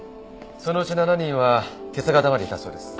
そのうち７人は今朝方までいたそうです。